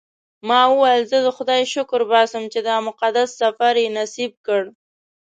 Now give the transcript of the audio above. ما وویل زه د خدای شکر باسم چې دا مقدس سفر یې نصیب کړ.